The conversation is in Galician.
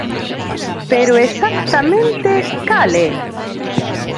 Pero exactamente ¿cal é?